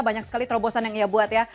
banyak sekali terobosan yang ia buat ya